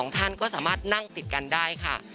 ท่านก็สามารถนั่งติดกันได้ค่ะ